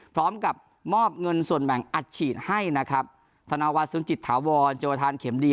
พร้อมกับมอบเงินส่วนแบ่งอัดฉีดให้นะครับธนวัฒนสุนจิตถาวรโจทานเข็มดี